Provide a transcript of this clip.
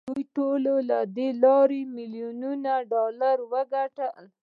دوی ټولو له دې لارې میلیونونه ډالر وګټل